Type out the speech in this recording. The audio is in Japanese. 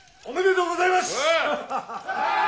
おめでとうございます。